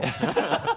ハハハ